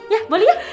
ya boleh ya